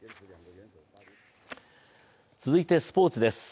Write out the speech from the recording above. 続いてスポーツです。